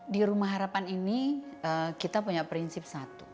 di rumah harapan ini kita punya prinsip satu